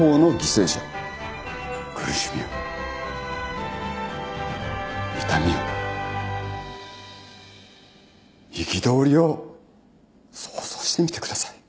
苦しみを痛みを憤りを想像してみてください。